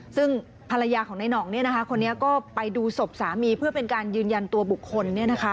ซึ่งภรรยาของนายหน่องคนนี้ก็ไปดูศพสามีเพื่อเป็นการยืนยันตัวบุคคล